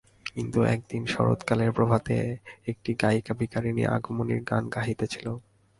কিন্তু একদিন শরৎকালের প্রভাতে একটি গায়িকা ভিখারিনী আগমনীর গান গাহিতেছিল।